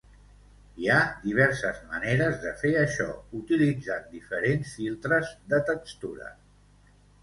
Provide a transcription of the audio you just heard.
Hi ha diverses maneres de fer això, utilitzant diferents filtres de textura.